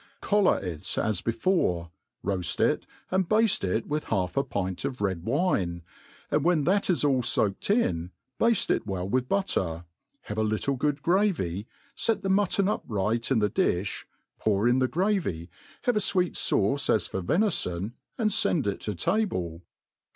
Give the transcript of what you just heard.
COLLAR it as before ; roaft it, and bafte it with half a {»int of red wine, and when that is all foaked in, bafte it well with butter, have a little good gravy, fet the mutton upright in the difli, pour in the gravy, have fweet fauce as for ventfon, and fend it to table.